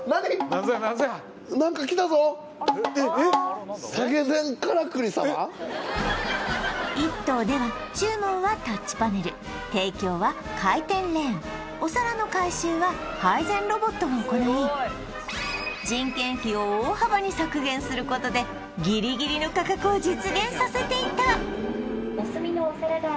何ぞや何ぞやいっとうでは注文はタッチパネル提供は回転レーンお皿の回収は配膳ロボットが行い人件費を大幅に削減することでギリギリの価格を実現させていた